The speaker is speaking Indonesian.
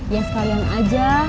ya sekalian aja